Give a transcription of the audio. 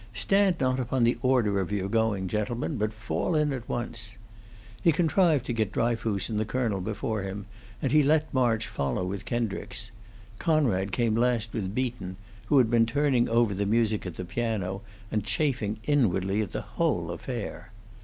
Stand not upon the order of your going, gentlemen, but fall in at once." He contrived to get Dryfoos and the colonel before him, and he let March follow with Kendricks. Conrad came last with Beaton, who had been turning over the music at the piano, and chafing inwardly at the whole affair.